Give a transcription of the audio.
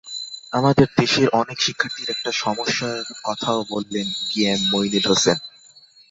আমাদের দেশের অনেক শিক্ষার্থীর একটা সমস্যার কথাও বললেন বি এম মইনুল হোসেন।